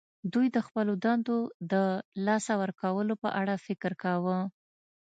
دوی د خپلو دندو د لاسه ورکولو په اړه فکر کاوه